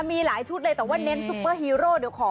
มีหลายชุดเลยแต่ว่าเน้นซุปเปอร์ฮีโร่เดี๋ยวขอ